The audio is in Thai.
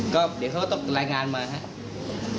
ก็เดี๋ยวเขาก็ต้องรายงานมาครับ